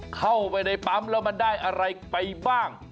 เข้าไปในปั๊มแล้วมันได้อะไรไปบ้าง